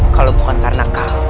kalau bukan karena kau